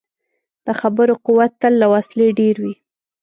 د خبرو قوت تل له وسلې ډېر وي.